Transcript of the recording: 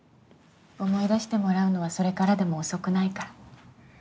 思い出してもらうのはそれからでも遅くないから。